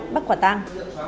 bắt quả tăng